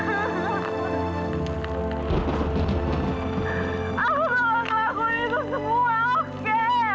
aku bakal ngelakuin itu semua oke